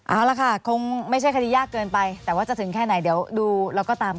อ๋อเอาแล้วค่ะคงไม่ใช่คฎี้ยากเกินไปแต่ว่าจะถึงไกลไหนะเดี๋ยวดูเราก็ตามกัน